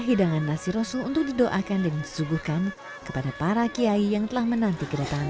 hidangan nasi rosul untuk didoakan dan disuguhkan kepada para kiai yang telah menanti kedatangan